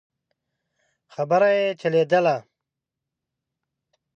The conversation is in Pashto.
خبره يې چلېدله.